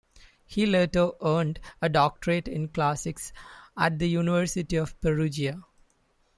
He later earned a doctorate in classics at the University of Perugia.